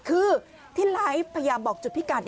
คือที่ไลฟ์พยายามบอกจุดพิกัด